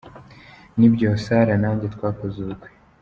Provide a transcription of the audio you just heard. Ni byo, Sarah nanjye twakoze ubukwe.